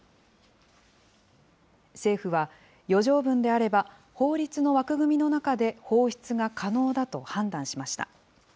政府は、余剰分であれば法律の枠組みの中で放出が可能だと判断しました。